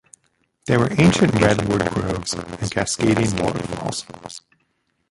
There are ancient redwood groves and cascading waterfalls.